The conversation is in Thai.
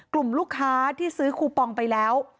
กลุ่มลูกค้าที่ซื้อคูปองไปแล้ว